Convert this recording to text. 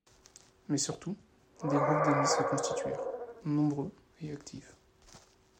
Mais surtout, des groupes d'amis se constituèrent, nombreux et actifs.